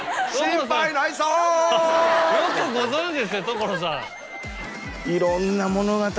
よくご存じですね所さん。